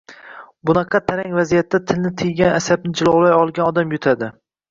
Bunaqa tarang vaziyatda tilni tiygan, asabini jilovlay olgan odam yutadi.